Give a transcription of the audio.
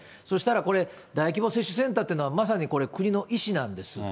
そしたらこれ、大規模接種センターっていったら、まさにこれ、国の意思なんです。